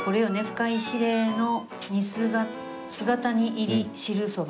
「フカヒレの姿煮入り汁そば」。